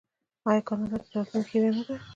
آیا کاناډا د راتلونکي هیله نه ده؟